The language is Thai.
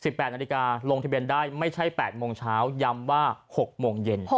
แปดนาฬิกาลงทะเบียนได้ไม่ใช่แปดโมงเช้าย้ำว่าหกโมงเย็น